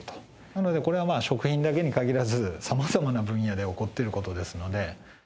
なので、これは食品だけに限らず、さまざまな分野で起こっていることですので。